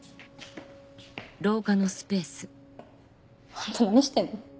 あんた何してんの？